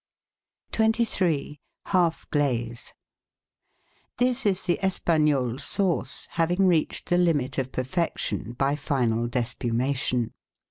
23— HALF GLAZE This is the Espagnole sauce, having reached the limit of per fection by final despumation.